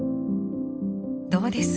どうです？